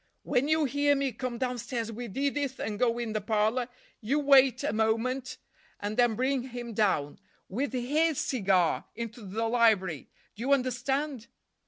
"When you hear me come downstairs with Edith and go in the parlor, you wait a moment and then bring him down—with his cigar—into the library. Do you understand?"